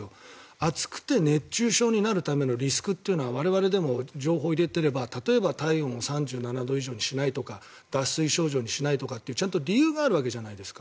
暑くて熱中症になるためのリスクというのは我々でも情報を入れていれば体温を３７度以上にしないとか脱水症状にしないとかそういう理由があるじゃないですか。